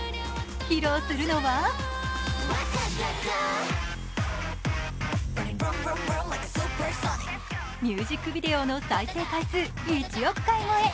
披露するのはミュージックビデオの再生回数１億回超え